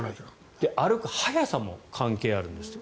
歩く速さも関係あるんですって。